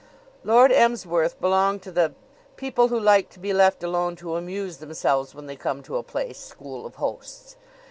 Lord Emsworth belonged to the people who like to be left alone to amuse themselves when they come to a place school of hosts.